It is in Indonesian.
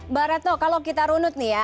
mbak retno kalau kita runut nih ya